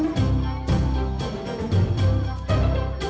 เพื่อนรับทราบ